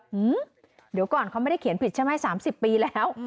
อืมเดี๋ยวก่อนเขาไม่ได้เขียนผิดใช่ไหม๓๐ปีแล้ว